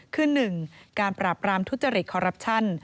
คือ๑การปราบรามทุจริตคอรัปชั่น